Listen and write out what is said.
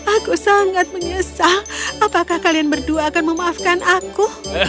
aku sangat menyesal apakah kalian berdua akan memaafkan aku